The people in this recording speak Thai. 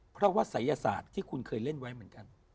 เพราะว่าศัยศาสตร์ที่คุณเคยเล่นไว้เหมือนกัน